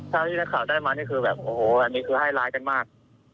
ที่นักข่าวได้มานี่คือแบบโอ้โหอันนี้คือให้ร้ายกันมาก